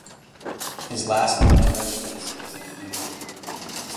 His last known residence was in Munich.